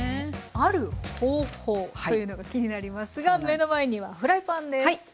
ある方法というのが気になりますが目の前にはフライパンです。